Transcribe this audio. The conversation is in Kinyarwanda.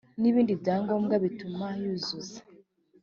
n ibindi bya ngombwa bituma yuzuza